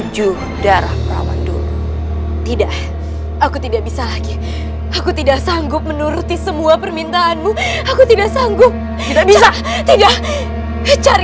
jangan sampai kabur